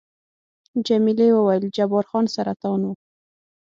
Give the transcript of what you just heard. جميلې وويل:، جبار خان سرطان وو؟